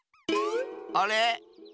あれ？